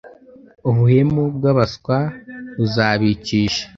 Ubuhemu bw’abaswa buzabicisha